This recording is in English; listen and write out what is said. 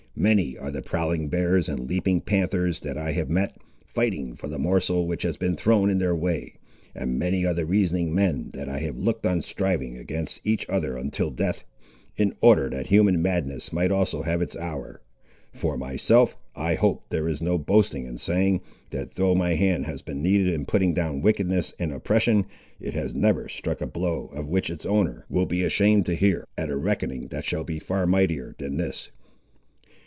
Many are the prowling bears and leaping panthers that I have met, fighting for the morsel which has been thrown in their way; and many are the reasoning men, that I have looked on striving against each other unto death, in order that human madness might also have its hour. For myself, I hope, there is no boasting in saying, that though my hand has been needed in putting down wickedness and oppression, it has never struck a blow of which its owner will be ashamed to hear, at a reckoning that shall be far mightier than this."